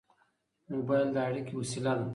موبایل د اړیکې وسیله ده.